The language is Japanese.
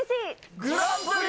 グランプリ！